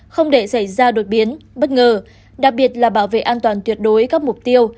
không để xảy ra đột biến bất ngờ đặc biệt là bảo vệ an toàn tuyệt đối các mục tiêu